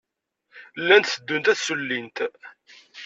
Llant tteddunt ad ssullint.